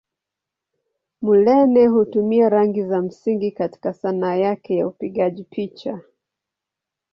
Muluneh hutumia rangi za msingi katika Sanaa yake ya upigaji picha.